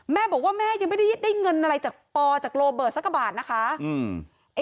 แม่บอกว่าแม่ยังไม่ได้ได้เงินอะไรจากปอจากโรเบิร์ตสักกว่าบาทนะคะ